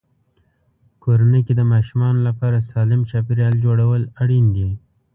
کورنۍ کې د ماشومانو لپاره سالم چاپېریال جوړول اړین دي.